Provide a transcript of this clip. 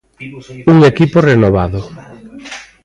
Un equipo renovado.